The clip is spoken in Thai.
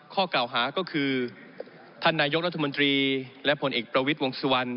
ข้อกล่าวหาก็คือท่านนายกรัฐมนตรีและผลเอกประวิทย์วงสุวรรณ